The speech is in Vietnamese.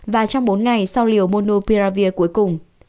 và trong bốn ngày sau liều monopiravir cuối cùng